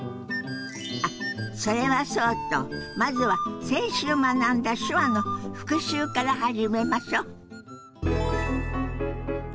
あっそれはそうとまずは先週学んだ手話の復習から始めましょ。